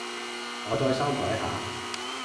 我再修改下